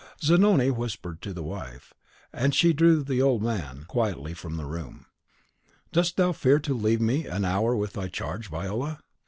Zanoni whispered to the wife, and she drew the old man quietly from the room. "Dost thou fear to leave me an hour with thy charge, Viola?